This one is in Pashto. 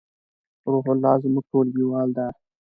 روح الله زمونږ ټولګیوال ده